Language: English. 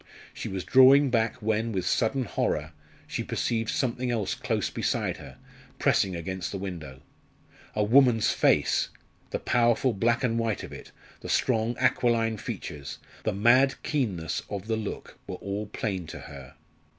She was drawing back when, with sudden horror, she perceived something else close beside her, pressing against the window. A woman's face! the powerful black and white of it the strong aquiline features the mad keenness of the look were all plain to her.